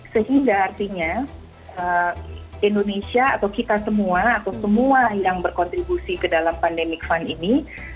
sehingga artinya indonesia atau kita semua atau semua yang berkontribusi ke dalam pandemic fund ini